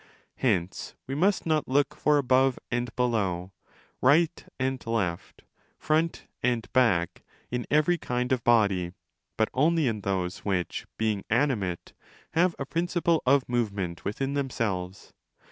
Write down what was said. Hence we must not look for above and below, right and left, front and back, in every kind: of body, but only in those which, being animate, have a principle of movement within them selves.